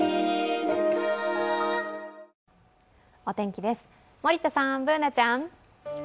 お天気です、森田さん、Ｂｏｏｎａちゃん。